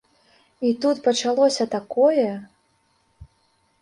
І тут пачалося такое!